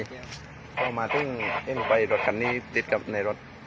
พรุ่งมาซึ่งเอ็งไฟรถกันนี้ติดกับในรถ